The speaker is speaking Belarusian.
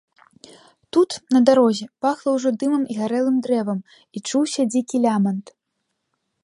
Тут, на дарозе, пахла ўжо дымам і гарэлым дрэвам і чуўся дзікі лямант.